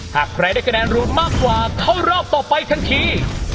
หากใครได้คะแนนรวมมากกว่าเข้ารอบต่อไปทันที